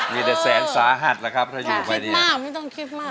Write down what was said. มีแต่แสนสาหัสแล้วครับถ้าอยู่ไม่ดีมากไม่ต้องคิดมาก